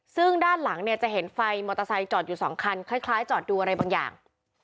ซึ่งด้านหลังเนี่ยจะเห็นไฟมอเตอร์ไซค์จอดอยู่สองคันคล้ายจอดดูอะไรบางอย่าง